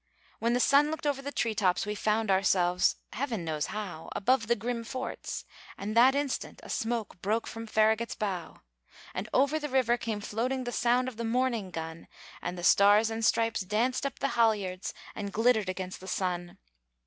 When the sun looked over the tree tops, We found ourselves Heaven knows how Above the grim forts; and that instant A smoke broke from Farragut's bow. And over the river came floating The sound of the morning gun; And the stars and stripes danced up the halyards, And glittered against the sun.